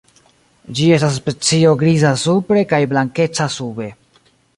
Ĝi estas specio griza supre kaj blankeca sube.